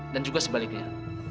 dan juga sebaliknya